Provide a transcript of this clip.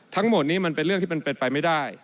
ทั้งหมดนี้มันเป็นเรื่องที่มันเป็นไปไม่ได้